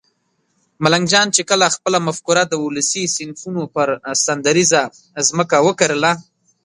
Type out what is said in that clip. ملنګ جان چې کله خپله مفکوره د ولسي صنفونو پر سندریزه ځمکه وکرله